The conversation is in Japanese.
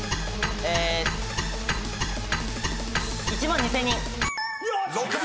１万２，０００人。